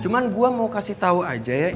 cuman gue mau kasih tau aja ya